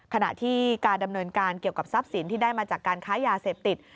ขณะที่การดำเนินการเกี่ยวกับทรัพย์สินที่ได้มาจากการค้ายาเสพติด